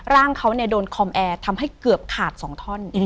ร่างเขาโดนคอมแอร์ทำให้เกือบขาด๒ท่อน